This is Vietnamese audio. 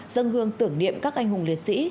dân hương tưởng niệm các anh hùng liệt sĩ